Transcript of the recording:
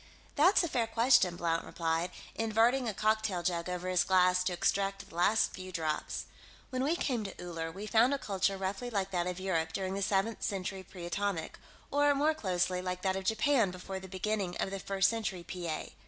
"That's a fair question," Blount replied, inverting a cocktail jug over his glass to extract the last few drops. "When we came to Uller, we found a culture roughly like that of Europe during the Seventh Century Pre Atomic, or, more closely, like that of Japan before the beginning of the First Century P. A.